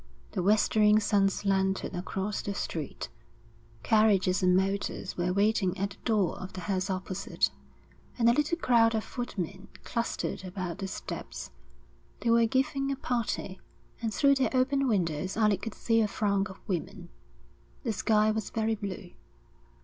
The westering sun slanted across the street. Carriages and motors were waiting at the door of the house opposite, and a little crowd of footmen clustered about the steps. They were giving a party, and through the open windows Alec could see a throng of women. The sky was very blue.